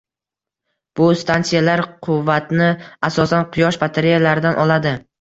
Bu stansiyalar quvvatni asosan quyosh batareyalaridan oladi.